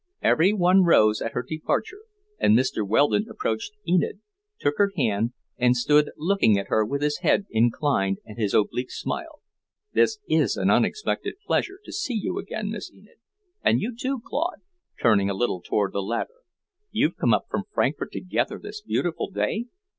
Every one rose at her departure, and Mr. Weldon approached Enid, took her hand, and stood looking at her with his head inclined and his oblique smile. "This is an unexpected pleasure, to see you again, Miss Enid. And you, too, Claude," turning a little toward the latter. "You've come up from Frankfort together this beautiful day?"